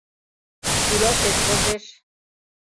— Тӱлашет возеш.